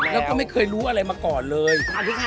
แล้วก็ไม่เคยรู้อะไรมาก่อนเลย